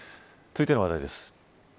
続いての話題です。